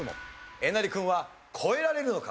えなり君は越えられるのか？